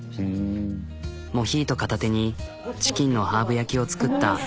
モヒート片手にチキンのハーブ焼きを作った。